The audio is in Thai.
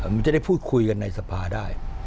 มันจะได้พูดคุยกันในสภาได้